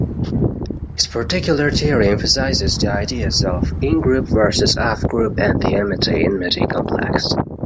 His particular theory emphasises the ideas of 'In-group versus Out-group', and the 'Amity-Enmity Complex'.